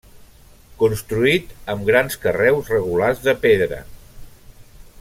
Construït amb grans carreus regulars de pedra.